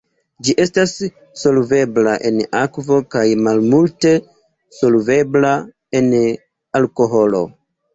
Ĝi estas solvebla en akvo kaj malmulte solvebla en alkoholo.